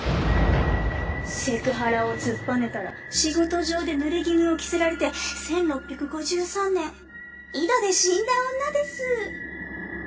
セクハラを突っぱねたら仕事上で濡れ衣を着せられて１６５３年井戸で死んだ女です。